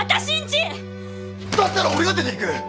だったら俺が出ていく！